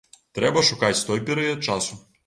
Трэба шукаць той перыяд часу.